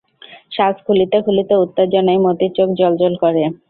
সাজ খুলিতে খুলিতে উত্তেজনায় মতির চোখ জ্বলজ্বল করে।